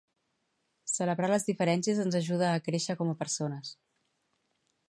Celebrar les diferències ens ajuda a créixer com a persones.